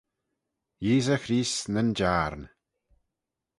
Yeesey Chreest, nyn Jiarn.